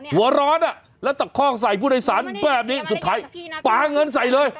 หัวร้อนแล้วตะคอกใส่ผู้โดยสารแบบนี้สุดท้ายปลาเงินใส่เลย